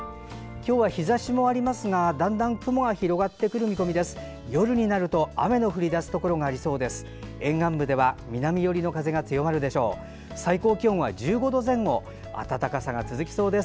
今日は日ざしもありますがだんだん雲が広がってきそうです。